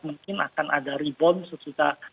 mungkin akan ada rebound sesudah